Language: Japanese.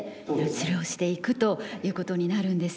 治療していくということになるんですね。